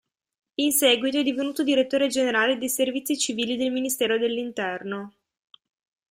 In seguito è divenuto direttore generale dei servizi civili del Ministero dell'Interno.